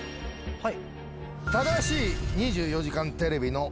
はい。